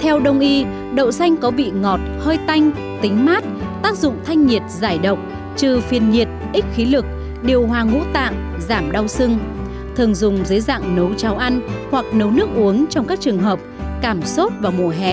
theo đồng ý đậu xanh có vị ngọt hơi tanh tính mát tác dụng thanh nhiệt giải động trừ phiên nhiệt ít khí lực điều hòa ngũ tạng giảm đau sưng thường dùng dưới dạng nấu cháo ăn hoặc nấu nước uống trong các trường hợp cảm xốt vào mùa hè